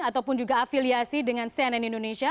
ataupun juga afiliasi dengan cnn indonesia